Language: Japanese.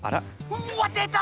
うわ出た！